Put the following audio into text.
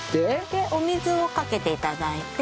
でお水をかけて頂いて。